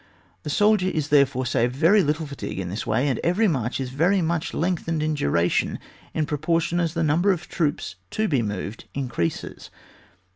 The soldier is, therefore, saved very little fatigue in this way, and every march is very much lengthened in duration in pro portion as the number of troops to be moved increases.